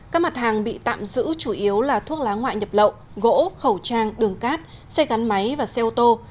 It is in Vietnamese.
các mặt hàng bị tạm giữ chủ yếu là thuốc lá ngoại nhập lậu gỗ khẩu trang đường cát xe gắn máy và xe ô tô